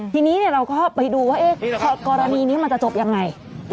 ทีนี้เราก็ไปดูว่ากรณีนี้มันจะจบยังไง